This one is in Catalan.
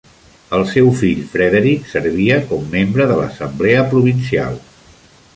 El seu fill Frederick servia com membre de l"assemblea provincial.